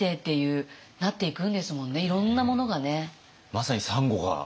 まさにサンゴが。